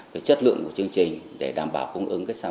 giấy phép độ uy tín của các cơ sở